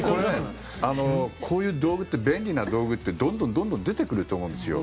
こういう道具って便利な道具ってどんどんどんどん出てくると思うんですよ。